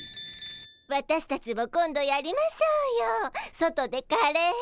私たちも今度やりましょうよ外でカレー。